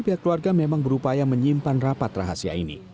pihak keluarga memang berupaya menyimpan rapat rahasia ini